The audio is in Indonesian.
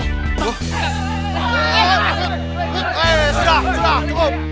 eh sudah sudah cukup